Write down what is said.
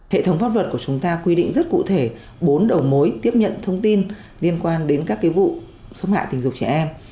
hệ thống pháp luật của chúng ta quy định rất cụ thể bốn đầu mối tiếp nhận thông tin liên quan đến các vụ xâm hạ tình dục trẻ em